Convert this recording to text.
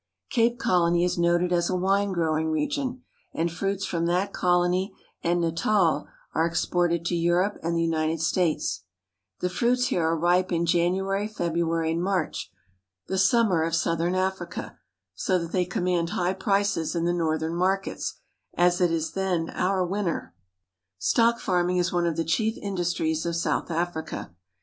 Cape Colony is noted as a ^^^ffrine growing region, and fruits from that colony and r Natal are exported to Europe and the United States, The fruits here are ripe in January, February, and March, the i 284 ^^H summer of southern Africa, so that they command 1 ^^H prices in the northern markets, as it is then our \ ^^H Stock farming is one of the chief industries of South ^^H Africa.